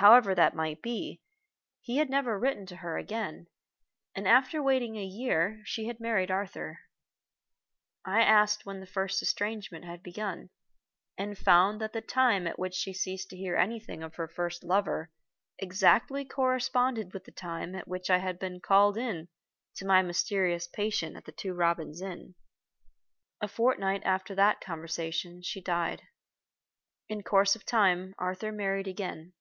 However that might be, he had never written to her again, and after waiting a year she had married Arthur. I asked when the first estrangement had begun, and found that the time at which she ceased to hear anything of her first lover exactly corresponded with the time at which I had been called in to my mysterious patient at The Two Robins Inn. A fortnight after that conversation she died. In course of time Arthur married again.